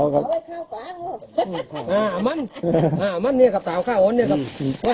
เหลืองเท้าอย่างนั้น